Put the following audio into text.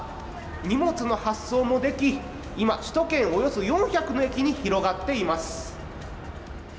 荷物の発送もでき、今、首都圏およそ４００の駅に広がっています。